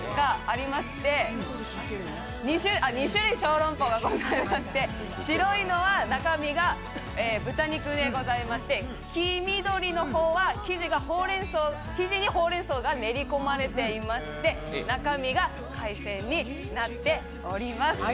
２種類小籠包がございまして、白いのは中身が豚肉でございまして、黄緑の方は生地にほうれんそうが練り込まれていまして中身が海鮮になっております。